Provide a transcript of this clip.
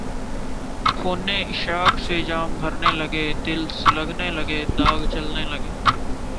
خون عشاق سے جام بھرنے لگے دل سلگنے لگے داغ جلنے لگے